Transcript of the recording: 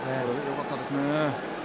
よかったですね。